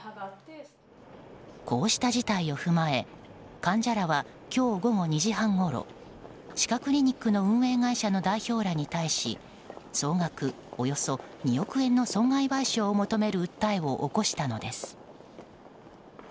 こうした事態を踏まえ患者らは今日午後２時半ごろ歯科クリニックの運営会社の代表らに対し総額およそ２億円の損害賠償を求める訴えを起こしたのです。